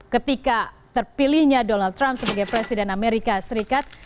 ketika terpilihnya donald trump sebagai presiden amerika serikat